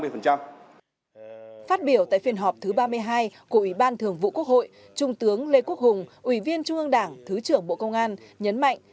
phát biểu tại phiên họp thứ ba mươi hai của ủy ban thường vụ quốc hội trung tướng lê quốc hùng ủy viên trung ương đảng thứ trưởng bộ công an nhấn mạnh